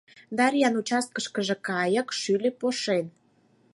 Дарьян участкыштыже кайык шӱльӧ пошен.